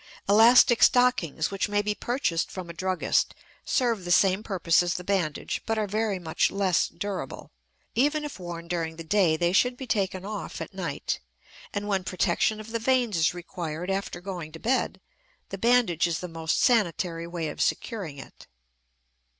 Elastic stockings, which may be purchased from a druggist, serve the same purpose as the bandage, but are very much less durable. Even if worn during the day they should be taken off at night; and when protection of the veins is required after going to bed, the bandage is the most sanitary way of securing it.